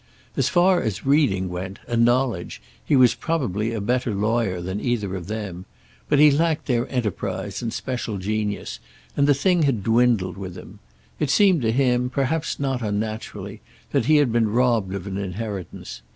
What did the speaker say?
As far as reading went, and knowledge, he was probably a better lawyer than either of them; but he lacked their enterprise and special genius, and the thing had dwindled with him. It seemed to him, perhaps not unnaturally, that he had been robbed of an inheritance.